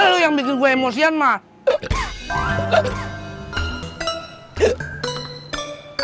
lu yang bikin gua emosian mat